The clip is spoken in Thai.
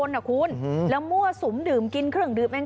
หลบ